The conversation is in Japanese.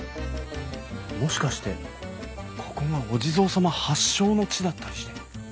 もしかしてここがお地蔵様発祥の地だったりして。